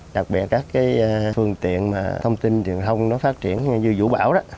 đặc biệt các cái phương tiện mà thông tin truyền thông nó phát triển như vũ bảo đó